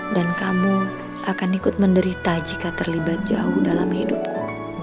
dan kamu akan ikut menderita jika terlibat jauh dalam hidupku